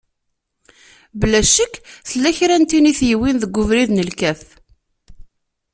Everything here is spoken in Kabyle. Bla ccek tella kra n tin i t-yewwin deg ubrid n lkaf.